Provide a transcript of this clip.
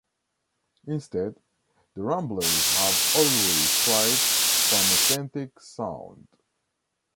Instead, the Ramblers have always strived for an "authentic" sound.